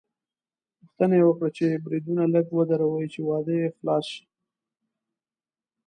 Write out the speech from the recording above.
غوښتنه یې وکړه چې بریدونه لږ ودروي چې واده یې خلاص شي.